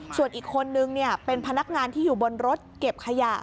ส่วนอีกคนนึงเป็นพนักงานที่อยู่บนรถเก็บขยะ